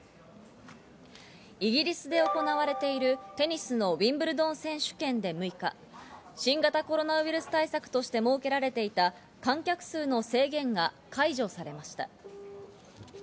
イギリスで行われているテニスのウィンブルドン選手権で６日、新型コロナウイルス対策として設けられていた観客数の制限が解除されました。